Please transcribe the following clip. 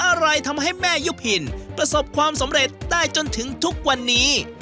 อะไรทำให้แม่ยุพินประสบความสำเร็จได้จนถึงทุกวันนี้